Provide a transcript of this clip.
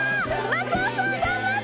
松尾さん頑張って！